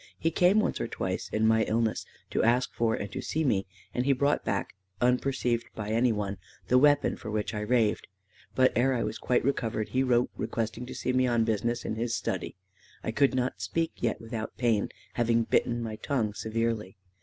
He came once or twice, in my illness, to ask for and to see me; and he brought back, unperceived by any one, the weapon for which I raved. But ere I was quite recovered, he wrote, requesting to see me on business in his study. I could not speak yet without pain, having bitten my tongue severely.